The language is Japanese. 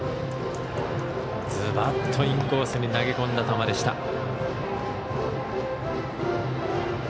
ズバッとインコースに投げ込んだ球でした。